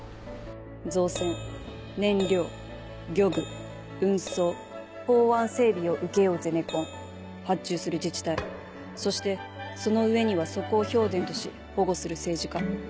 造船燃料漁具運送港湾整備を請け負うゼネコン発注する自治体そしてその上にはそこを票田とし保護する政治家。